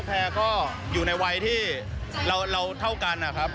แพร่ก็อยู่ในวัยที่เราเท่ากันนะครับ